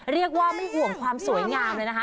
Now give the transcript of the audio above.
เรียกว่าไม่ห่วงความสวยงามเลยนะคะ